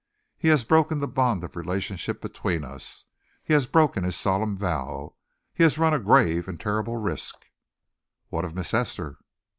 He has broken the bond of relationship between us. He has broken his solemn vow. He has run a grave and terrible risk." "What of Miss Esther?"